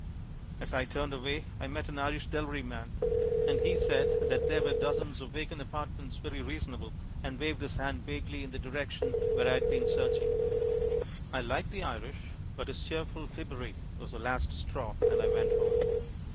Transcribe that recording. As I turned away I met an Irish delivery man and he said that there were dozens of vacant apartments very reasonable and waved his hand vaguely in the direction where I'd been searching. I like the Irish but his cheerful fibbery was the last straw and I went home.